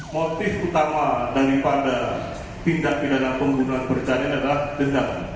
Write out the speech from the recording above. motif utama daripada pindah pindah pembunuhan berjalan adalah dendam